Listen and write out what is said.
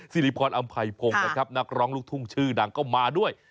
สิริพรอำไพพงศ์นะครับนักร้องลูกทุ่งชื่อดังก็มาด้วย